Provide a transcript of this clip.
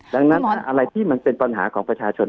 ดังนั้นอะไรที่มันเป็นปัญหาของประชาชน